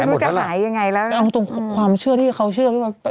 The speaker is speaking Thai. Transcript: ไม่รู้จะหายยังไงแล้วเอาตรงความเชื่อที่เขาเชื่อพี่มัน